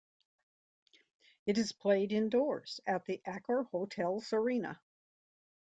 It is played indoors at the AccorHotels Arena.